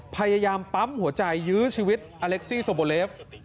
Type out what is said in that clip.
พยายามปั๊มหัวใจยื้อชีวิตอเล็กซี่โซโบเลฟ